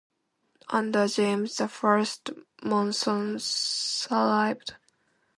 Under James the First Monson thrived.